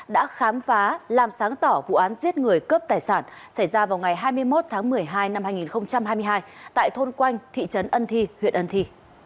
đã khám phá làm sáng tỏ vụ án giết người cướp tài sản xảy ra vào ngày hai mươi một tháng một mươi hai năm hai nghìn hai mươi hai tại thôn quanh thị trấn ân thi huyện ân thi